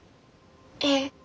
ええ！